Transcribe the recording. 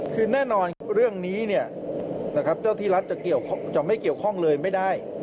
คือแน่นอนเรื่องนี้เนี่ยนะครับเจ้าที่รัฐจะไม่เกี่ยวข้องเลยไม่ได้